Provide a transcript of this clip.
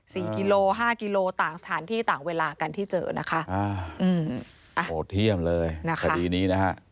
กิโลห้ากิโลต่างสถานที่ต่างเวลากันที่เจอนะคะอ่าอืมโหดเยี่ยมเลยนะคะคดีนี้นะฮะ